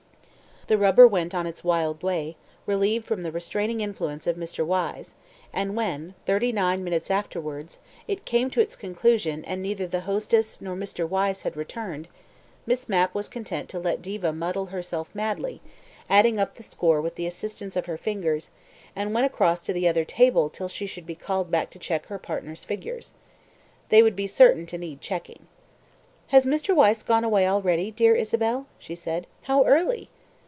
The rubber went on its wild way, relieved from the restraining influence of Mr. Wyse, and when, thirty nine minutes afterwards, it came to its conclusion and neither the hostess nor Mr. Wyse had returned, Miss Mapp was content to let Diva muddle herself madly, adding up the score with the assistance of her fingers, and went across to the other table till she should be called back to check her partner's figures. They would be certain to need checking. "Has Mr. Wyse gone away already, dear Isabel?" she said. "How early!"